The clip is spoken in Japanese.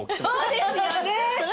そうですよね！